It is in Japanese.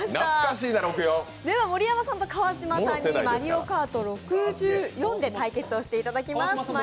では盛山さんと川島さんに「マリカオート６４」で対決をお願いします。